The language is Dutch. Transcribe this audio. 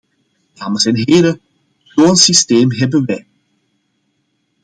Dames en heren, zo een systeem hebben wij.